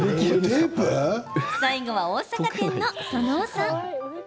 最後は、大阪店の園尾さん。